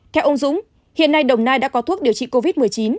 theo ông dũng hiện nay đồng nai đã có thuốc điều trị covid một mươi chín